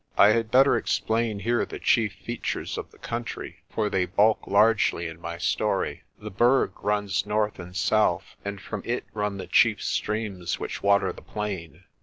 I had better explain here the chief features of the country, for they bulk largely in my story. The Berg runs north and south, and from it run the chief streams which water the plain.